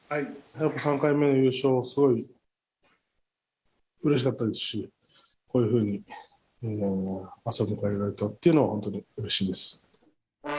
３回目の優勝、すごいうれしかったですし、こういうふうに朝を迎えられたっていうのは、本当にうれしいです。